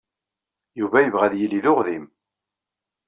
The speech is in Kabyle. Yuba yebɣa ad yili d uɣdim.